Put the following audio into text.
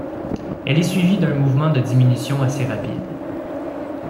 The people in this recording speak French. Elle est suivie d’un mouvement de diminution assez rapide.